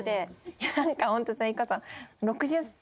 いやなんかホントそれこそ。